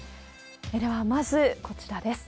ではまず、こちらです。